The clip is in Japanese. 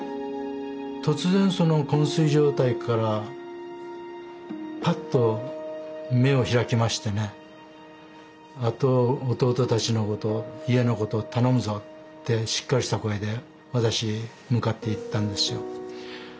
突然こん睡状態からパッと目を開きましてね「あと弟たちのこと家のこと頼むぞ」ってしっかりした声で私に向かって言ったんですよ。